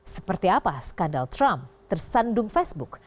seperti apa skandal trump tersandung facebook